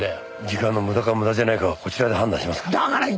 時間の無駄か無駄じゃないかはこちらで判断しますから。